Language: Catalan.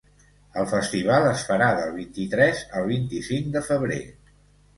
El festival es farà del vint-i-tres al vint-i-cinc de febrer.